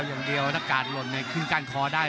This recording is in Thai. โหโหโหโหโหโหโหโหโหโห